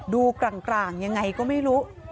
กลางยังไงก็ไม่รู้